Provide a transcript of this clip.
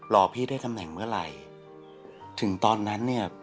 รอพี่ได้ตำแหน่งเมื่อไหร่ถึงตอนนั้นเนี่ย